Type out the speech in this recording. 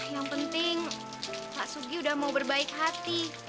yang penting pak sugi udah mau berbaik hati